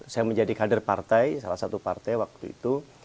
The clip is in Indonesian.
saya menjadi kader partai salah satu partai waktu itu